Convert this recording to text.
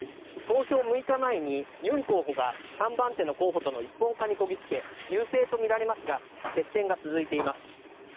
投票６日前にユン候補が３番手の候補との一本化にこぎ着け、優勢と見られますが、接戦が続いています。